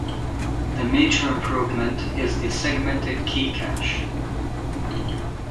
The major improvement is the "Segmented Key Cache".